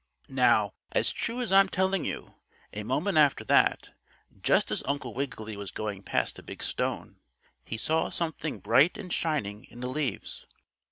Now, as true as I'm telling you, a moment after that, just as Uncle Wiggily was going past a big stone, he saw something bright and shining in the leaves.